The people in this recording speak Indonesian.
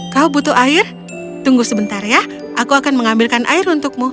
kau butuh air tunggu sebentar ya aku akan mengambilkan air untukmu